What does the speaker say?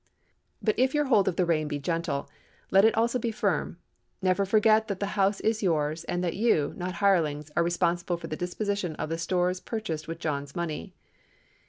But if your hold of the rein be gentle, let it also be firm. Never forget that the house is yours, and that you—not hirelings—are responsible for the disposition of the stores purchased with John's money.